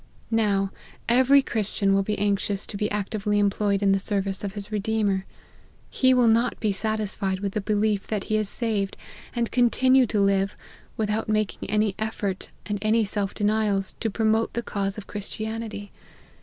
Now, every Christian will be anxious to be actively employed in the service of his Re deemer. He w r ill not be satisfied with the belief that he is saved, and continue to live, without making any effort and any self denials, to promote the cause of Christianity.